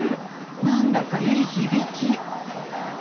何だかいい響き！